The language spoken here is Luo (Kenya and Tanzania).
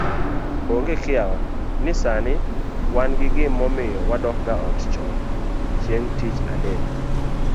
Onge kiawa ni sani wan gi mamiyo wadokga ot chon chieng' tich adek